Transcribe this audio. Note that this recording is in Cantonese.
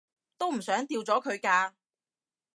都唔想掉咗佢㗎